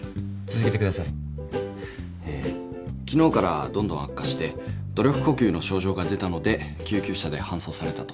昨日からどんどん悪化して努力呼吸の症状が出たので救急車で搬送されたと。